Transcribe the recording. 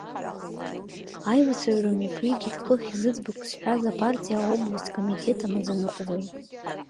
Аилацәажәара мҩаԥигеит хыхь зыӡбахә сҳәаз апартиа аобласт комитет амаӡаныҟәгаҩ.